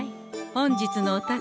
本日のお宝